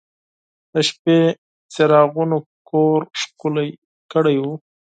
د شپې څراغونو کور ښکلی کړی و.